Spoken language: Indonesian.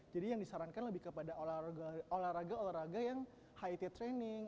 jadi yang disarankan lebih kepada olahraga olahraga yang high t training